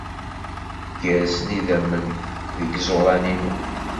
Gersen yidammen deg yiẓuran-inu.